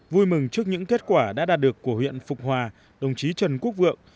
vui mừng trước những kết quả đã đạt được của huyện phục hòa đồng chí trần quốc vượng